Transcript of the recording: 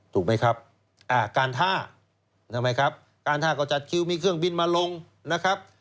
ถูกไหมครับการท่าใช่ไหมครับการท่าก็จัดคิวมีเครื่องบินมาลงนะครับ